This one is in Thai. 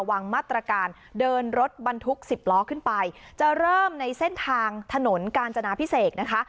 วางมาตรการเดินรถบรรทุกสิบล้อขึ้นไปจะเริ่มในเส้นทางถนนกาญจนาพิเศษนะคะ